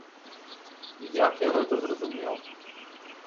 Як я гэта зразумеў?